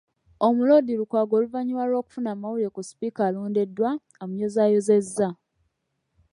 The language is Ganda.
Omuloodi Lukwago oluvannyuma lw’okufuna amawulire ku sipiika alondeddwa, amuyozaayozezza